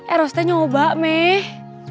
eros tuh nyoba meh